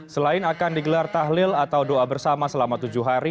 selain akan digelar tahlil atau doa bersama selama tujuh hari